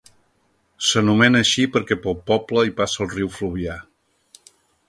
S'anomena així perquè pel poble hi passa el riu Fluvià.